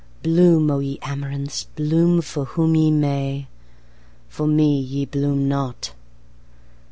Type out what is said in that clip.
Bloom, O ye amaranths! bloom for whom ye may, For me ye bloom not!